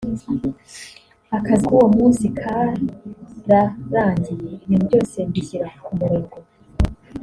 Akazi k’uwo munsi kararangiye ibintu byose mbishyira ku murongo